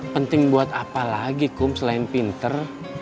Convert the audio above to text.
penting buat apa lagi kum selain pinter